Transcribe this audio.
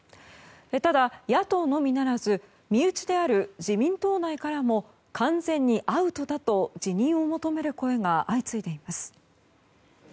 ただ、野党のみならず身内である自民党内からも完全にアウトだと辞任を求める声が相次いでいます。